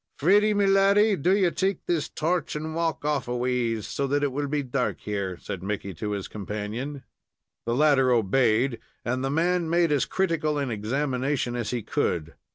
"Freddy, my laddy; do you take this torch and walk off aways, so that it will be dark here," said Mickey to his companion. The latter obeyed, and the man made as critical an examination as he could.